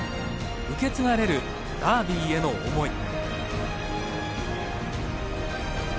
受け継がれるダービーへの思い。